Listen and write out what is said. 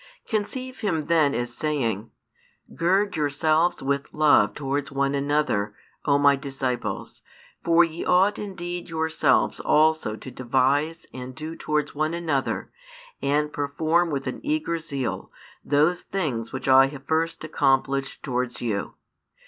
Conceive Him then as saying: "Gird yourselves with love towards one another, O My disciples; for ye ought indeed yourselves also to devise and do towards one another, and perform with an eager zeal, those things which I have first accomplished towards you.